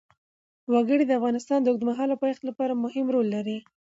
وګړي د افغانستان د اوږدمهاله پایښت لپاره مهم رول لري.